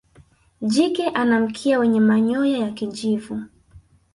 jike ana mkia wenye manyoya ya kijivu